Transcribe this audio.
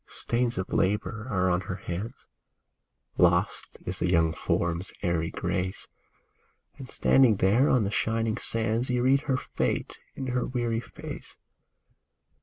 MAUD AND MADGE Stains of labor are on her hands, Lost is the young form's airy grace ; And standing there on the shining sands You read her fate in her weary face.